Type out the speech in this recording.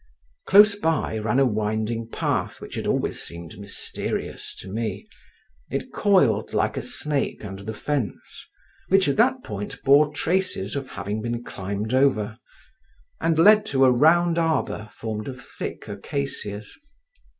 Close by, ran a winding path which had always seemed mysterious to me; it coiled like a snake under the fence, which at that point bore traces of having been climbed over, and led to a round arbour formed of thick acacias.